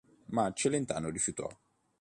Ma Celentano rifiutò.